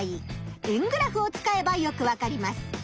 円グラフを使えばよくわかります。